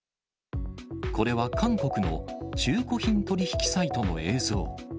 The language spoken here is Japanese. これは韓国の中古品取り引きサイトの映像。